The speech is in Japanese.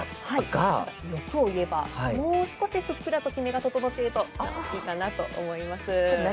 欲を言えばもう少しふっくらときめが整っているといいかなと思います。